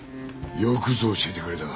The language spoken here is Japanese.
よくぞ教えてくれた。